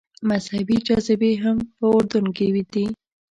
مذهبي جاذبې هم په اردن کې دي.